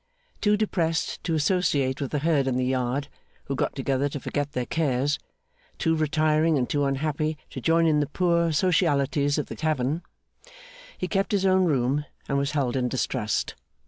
Too depressed to associate with the herd in the yard, who got together to forget their cares; too retiring and too unhappy to join in the poor socialities of the tavern; he kept his own room, and was held in distrust.